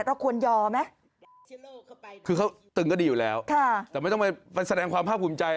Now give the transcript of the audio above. เราควรยอมไหมคือเขาตึงก็ดีอยู่แล้วค่ะแต่ไม่ต้องไปมันแสดงความภาพภูมิใจ